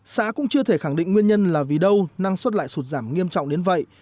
xã cũng chưa thể khẳng định nguyên nhân là vì đâu năng suất lại sụt giảm nghiêm trọng đến vậy